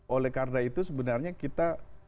oleh karena itu sebenarnya kita